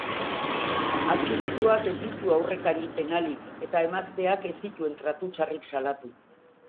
Atxilotuak ez ditu aurrekari penalik eta emazteak ez zituen tratu txarrik salatu.